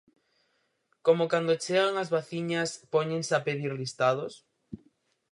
¿Como cando chegan as vacinas póñense a pedir listados?